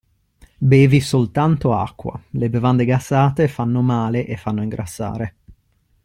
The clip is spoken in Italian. Bevi soltanto acqua, le bevande gassate fanno male e fanno ingrassare.